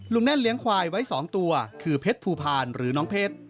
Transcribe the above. แน่นเลี้ยงควายไว้๒ตัวคือเพชรภูพาลหรือน้องเพชร